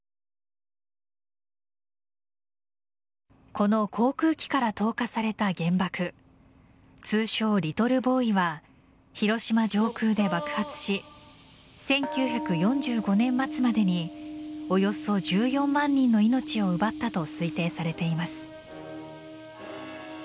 この航空機から投下された原爆通称「リトルボーイ」は広島上空で爆発し１９４５年末までにおよそ１４万人の命を奪ったと推定されています。